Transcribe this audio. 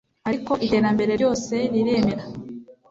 ariko iterambere ryose riremera